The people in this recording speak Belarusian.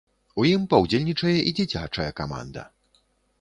У ім паўдзельнічае і дзіцячая каманда.